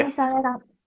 kalau misalnya rame rame